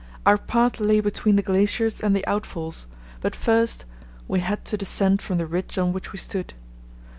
Our path lay between the glaciers and the outfalls, but first we had to descend from the ridge on which we stood.